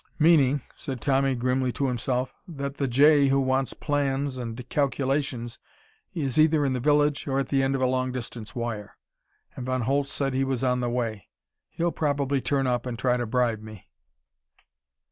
"Meaning," said Tommy grimly to himself, "that the J who wants plans and calculations is either in the village or at the end of a long distance wire. And Von Holtz said he was on the way. He'll probably turn up and try to bribe me."